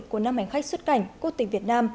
của năm hành khách xuất cảnh của tỉnh việt nam